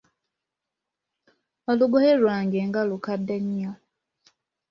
Olugoye lwange nga lukadde nnyo!